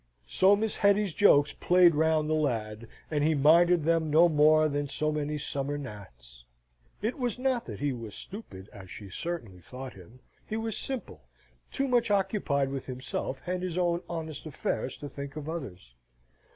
So Miss Hetty's jokes played round the lad, and he minded them no more than so many summer gnats. It was not that he was stupid, as she certainly thought him: he was simple, too much occupied with himself and his own honest affairs to think of others.